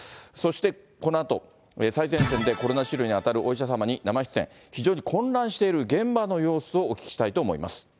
そして、このあと、最前線でコロナ治療に当たるお医者様に生出演、非常に混乱している現場の様子をお聞きしたいと思います。